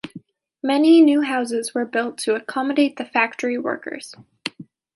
Many new houses were built to accommodate the factory workers.